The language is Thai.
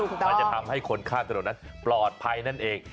มันจะทำให้คนข้ามถนนนั้นปลอดภัยนั่นเอง